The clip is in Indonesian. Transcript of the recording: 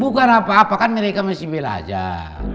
bukan apa apa kan mereka mesti belajar